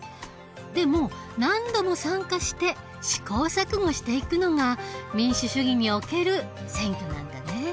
でも何度も参加して試行錯誤していくのが民主主義における選挙なんだね。